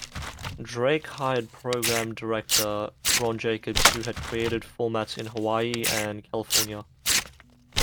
Drake hired program director Ron Jacobs, who had created formats in Hawaii and California.